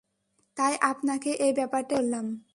তাই আপনাকে এই ব্যাপারটা শেয়ার করলাম।